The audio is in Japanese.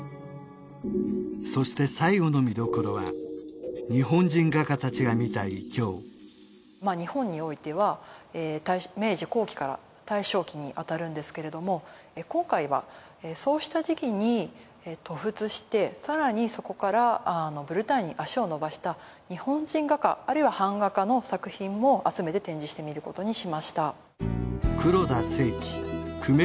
そして最後の日本においては明治後期から大正期にあたるんですけれども今回はそうした時期に渡仏してさらにそこからブルターニュに足をのばした日本人画家あるいは版画家の作品も集めて展示してみることにしました黒田清輝久米